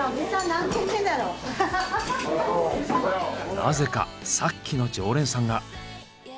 なぜかさっきの常連さんが。